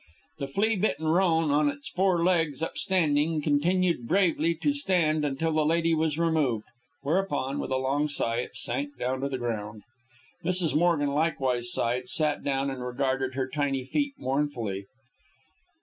The flea bitten roan, on its four legs upstanding, continued bravely to stand until the lady was removed, whereupon, with a long sigh, it sank down on the ground. Mrs. Morgan likewise sighed, sat down, and regarded her tiny feet mournfully.